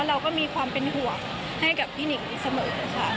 เราก็มีความเป็นห่วงให้กับพี่หนิงเสมอค่ะ